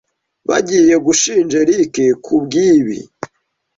Bagiye gushinja Eric kubwibi.